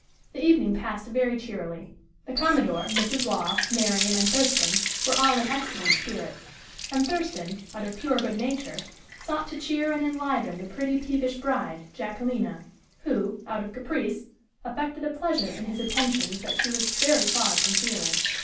The evening passed very cheerily. The commodore, Mrs. Waugh, Marian and Thurston, were all in excellent spirits. And Thurston, out of pure good nature, sought to cheer and enliven the pretty, peevish bride, Jacquelina, who, out of caprice, affected a pleasure in his attentions that she was very far from feeling.